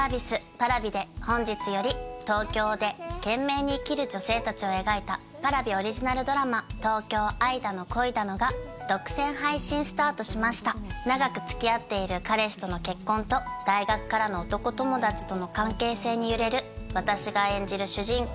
Ｐａｒａｖｉで本日より東京で懸命に生きる女性達を描いたＰａｒａｖｉオリジナルドラマ「東京、愛だの、恋だの」が独占配信スタートしました長く付き合っている彼氏との結婚と大学からの男友達との関係性に揺れる私が演じる主人公